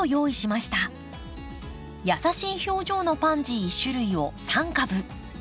優しい表情のパンジー１種類を３株。